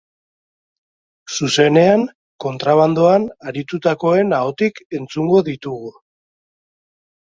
Zuzenean, kontrabandoan aritutakoen ahotik entzungo ditugu.